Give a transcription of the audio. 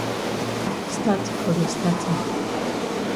Stat for de statin.